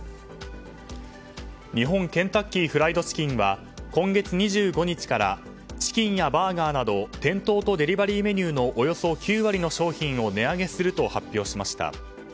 日本ケンタッキー・フライド・チキンは今月２５日からチキンやバーガーなど店頭とデリバリーメニューのおよそ９割の商品を値上げすると発表しました。